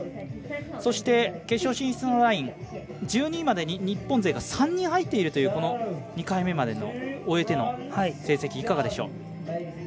そして、決勝進出のライン１２位までに日本勢が３人入っているというこの２回目までを終えての成績いかがでしょう？